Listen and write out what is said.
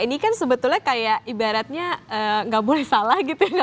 ini kan sebetulnya kayak ibaratnya nggak boleh salah gitu